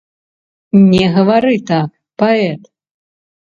Не гавары так, паэт!